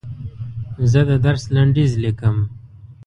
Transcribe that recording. زه د درس لنډیز لیکم.